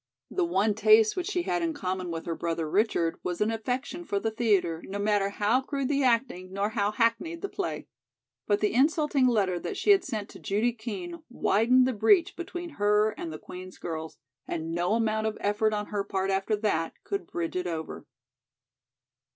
The one taste which she had in common with her brother Richard was an affection for the theatre, no matter how crude the acting, nor how hackneyed the play. But the insulting letter that she had sent to Judy Kean widened the breach between her and the Queen's girls, and no amount of effort on her part after that could bridge it over.